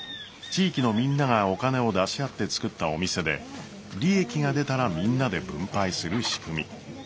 地域のみんながお金を出し合って作ったお店で利益が出たらみんなで分配する仕組み。